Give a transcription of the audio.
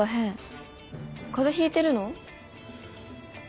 風邪引いてるの？